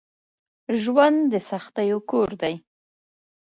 ژوند دسختیو کور دی